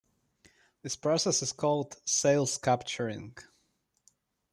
This process is called "sales capturing".